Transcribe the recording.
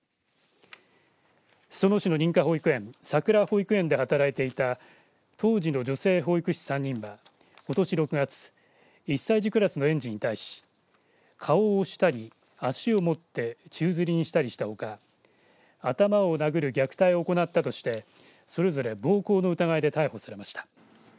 裾野市の認可保育園さくら保育園で働いていた当時の女性保育士３人はことし６月１歳児クラスの園児に対し顔を押したり足を持って宙づりにしたりしたほか頭を殴る虐待を行ったとしてそれぞれ暴行の疑いで逮捕されました。